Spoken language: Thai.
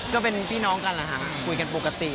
ก็เป็นพี่น้องกันแหละค่ะคุยกันปกติ